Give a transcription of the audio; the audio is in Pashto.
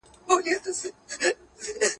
د طویل مدت مصارف اقتصادي رشد ته اغیزه کوي.